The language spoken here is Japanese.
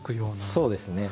そうですね。